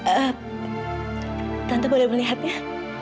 eh tante boleh melihatnya